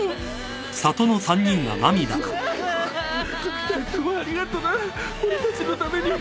二人ともありがとな俺たちのために。